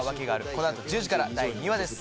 この後１０時から第２話です